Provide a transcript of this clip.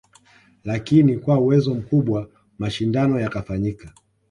Lakini kwa uwezo mkubwa mashindano yakafanyika